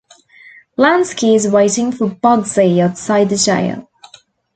Lansky is waiting for Bugsy outside the jail.